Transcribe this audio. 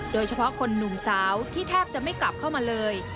โดยเฉพาะคนหนุ่มสาวที่แทบจะไม่กลับเข้ามาเลย